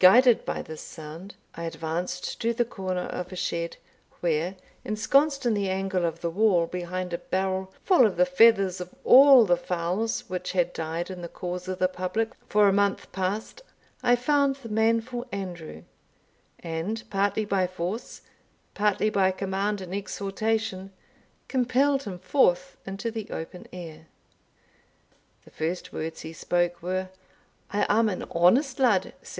Guided by this sound, I advanced to the corner of a shed, where, ensconced in the angle of the wall, behind a barrel full of the feathers of all the fowls which had died in the cause of the public for a month past, I found the manful Andrew; and partly by force, partly by command and exhortation, compelled him forth into the open air. The first words he spoke were, "I am an honest lad, sir."